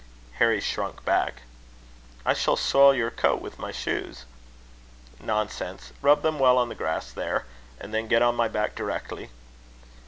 Harry shrunk back. "I shall spoil your coat with my shoes." "Nonsense! Rub them well on the grass there. And then get on my back directly."